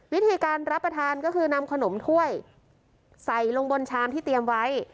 วิธีการรับประทานก็คือนำขนมถ้วยใส่ลงบนชามที่เตรียมไว้